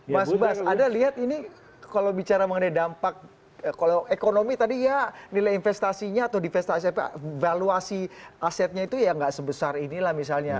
mas bas ada lihat ini kalau bicara mengenai dampak ekonomi tadi ya nilai investasinya atau divestasi asetnya itu ya gak sebesar ini lah misalnya